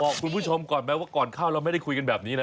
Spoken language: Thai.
บอกคุณผู้ชมก่อนไหมว่าก่อนเข้าเราไม่ได้คุยกันแบบนี้นะ